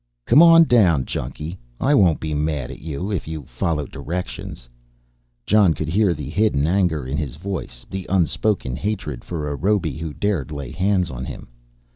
"Come on down, Junky, I won't be mad at you if you follow directions." Jon could hear the hidden anger in his voice, the unspoken hatred for a robe who dared lay hands on him.